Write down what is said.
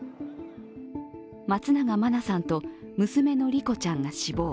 松永真菜さんと娘の莉子ちゃんが死亡。